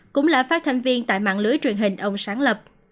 cũng là phát thanh viên tại mạng lưới truyền hình ông sáng lập